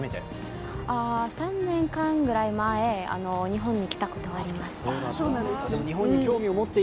３年ぐらい前日本に来たことがあります。